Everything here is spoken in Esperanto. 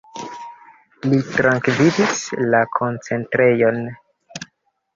Li transvivis la koncentrejon.